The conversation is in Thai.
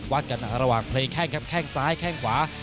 วัดกันระหว่างเพลงแค่งแค่งซ้ายแค่งขวา